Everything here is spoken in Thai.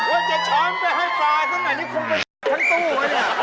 ว่าจะช้องไปให้ตายเท่านั้นนี่คงไปทั้งตู้วะเนี่ย